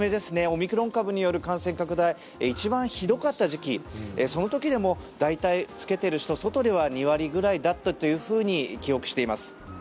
オミクロン株による感染拡大が一番ひどかった時期その時でも大体着けてる人外では２割ぐらいだったと記憶しています。